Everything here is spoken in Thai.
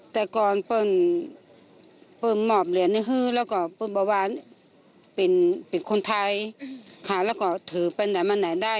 แต่ก่อนเปิดหมอบเหรียญฮือและแบบบัตรปิดคนไทยคาและถือไปไหนนานไหนได้